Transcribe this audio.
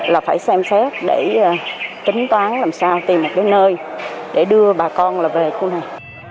là phải xem xét để tính toán làm sao tìm một cái nơi để đưa bà con là về khu này